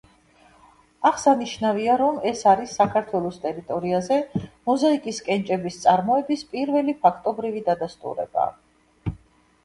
აღსანიშნავია, რომ ეს არის საქართველოს ტერიტორიაზე მოზაიკის კენჭების წარმოების პირველი ფაქტობრივი დადასტურება.